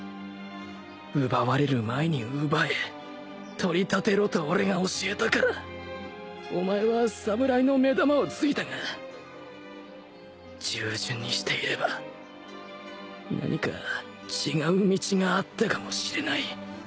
奪われる前に奪え取り立てろと俺が教えたからお前は侍の目玉を突いたが従順にしていれば何か違う道があったかもしれない